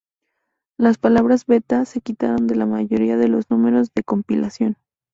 Las palabras "Beta" se quitaron de la mayoría de los números de compilación.